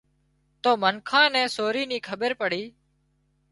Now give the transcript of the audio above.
تو منکان نين سورِي نِي کٻير پڙِي